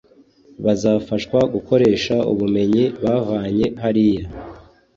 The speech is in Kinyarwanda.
bazafashwa gukoresha ubumenyi bavanye hariya